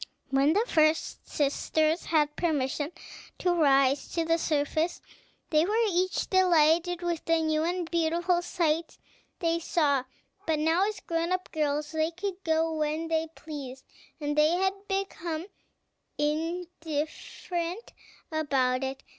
When first the sisters had permission to rise to the surface, they were each delighted with the new and beautiful sights they saw; but now, as grown up girls, they could go when they pleased, and they had become indifferent about it.